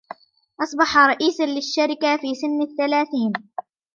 أصبح رئيسا للشركة في سن الثلاثين.